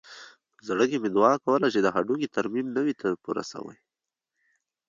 په زړه کښې مې دعا کوله چې د هډوکي ترميم نه وي پوره سوى.